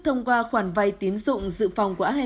thông qua khoản lượng tiền tệ quốc tế